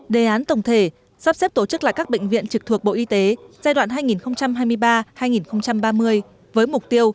đề án tổng thể sắp xếp tổ chức lại các bệnh viện trực thuộc bộ y tế giai đoạn hai nghìn hai mươi ba hai nghìn ba mươi với mục tiêu